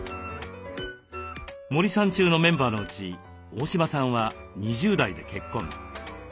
森三中のメンバーのうち大島さんは２０代で結婚。